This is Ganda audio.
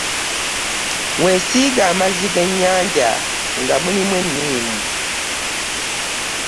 Wesiige amazzi ge nnyannya nga mulimu e nnimu.